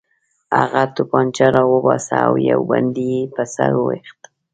هغه توپانچه راوباسله او یو بندي یې په سر وویشت